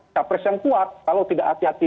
capres yang kuat kalau tidak hati hati